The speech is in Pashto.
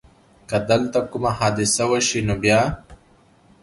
که دلته کومه حادثه وشي نو بیا؟